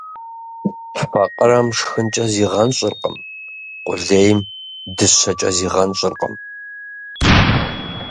Факъырэм шхынкӏэ зигъэнщӏыркъым, къулейм дыщэкӏэ зигъэнщӏыркъым.